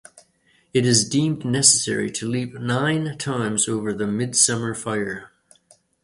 It is deemed necessary to leap nine times over the midsummer fire.